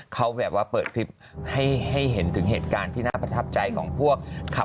เขาแบบว่าเปิดคลิปให้เห็นถึงเหตุการณ์ที่น่าประทับใจของพวกขับ